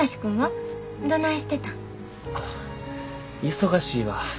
忙しいわ。